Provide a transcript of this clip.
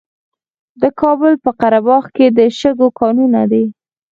د کابل په قره باغ کې د شګو کانونه دي.